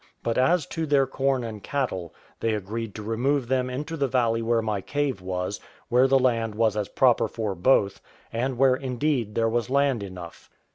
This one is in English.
But as to their corn and cattle, they agreed to remove them into the valley where my cave was, where the land was as proper for both, and where indeed there was land enough.